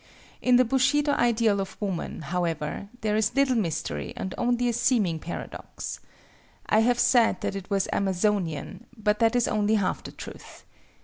In the Bushido ideal of woman, however, there is little mystery and only a seeming paradox. I have said that it was Amazonian, but that is only half the truth.